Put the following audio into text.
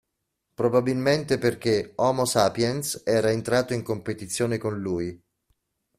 Probabilmente perché Homo Sapiens era entrato in competizione con lui.